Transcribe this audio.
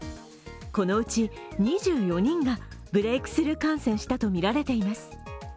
このうち２４人がブレークスルー感染したとみられています。